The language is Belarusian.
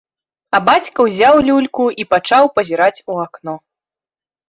А бацька ўзяў люльку і пачаў пазіраць у акно.